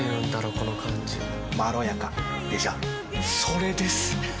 この感じまろやかでしょそれです！